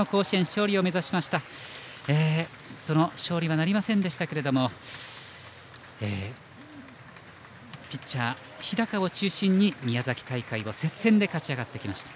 勝利はなりませんでしたけどもピッチャー、日高を中心に宮崎大会を接戦で勝ち上がってきました。